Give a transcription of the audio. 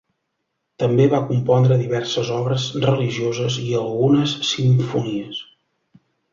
També va compondre diverses obres religioses i algunes simfonies.